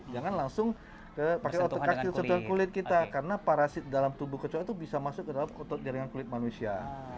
jangan langsung pakai otot kaki atau kulit kita karena parasit dalam tubuh kecok itu bisa masuk ke dalam otot jaringan kulit manusia